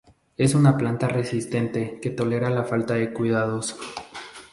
Es una planta resistente que tolera la falta de cuidados.